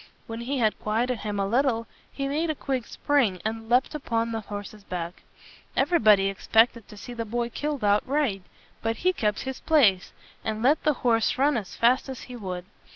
When he had qui et ed him a little, he made a quick spring, and leaped upon the horse's back. Everybody expected to see the boy killed outright. But he kept his place, and let the horse run as fast as he would.